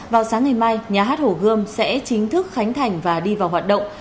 vào sáng ngày mai nhà hát hồ gươm sẽ chính thức khánh thành và đi vào hoạt động